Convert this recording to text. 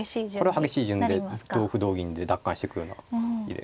これは激しい順で同歩同銀で奪還してくような感じで。